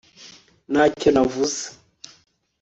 ntacyo navuze